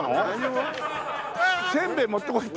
せんべい持ってこいって。